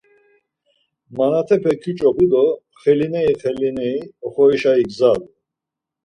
Manatepe kyuç̌opu do xelineri xelineri oxorişa igzalu.